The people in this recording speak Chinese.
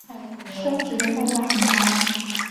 生殖的代价很高。